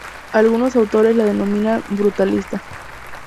Algunos autores lo denominan brutalista.